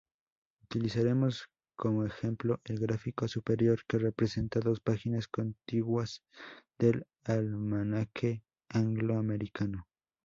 Utilizaremos como ejemplo el gráfico superior, que representa dos páginas contiguas del almanaque anglo-americano.